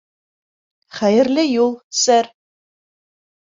Хәйерле юл, сэр.